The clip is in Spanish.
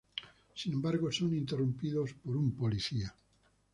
Sin embargo son interrumpidos por un policía.